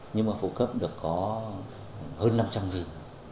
nhưng mà phụ cấp được có hơn năm trăm linh nghìn